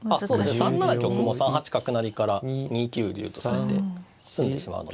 ３七玉も３八角成から２九竜とされて詰んでしまうので。